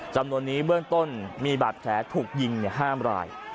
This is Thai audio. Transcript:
จำนวนนี้เบื้องต้นมีบาดแผลถูกยิง๕ราย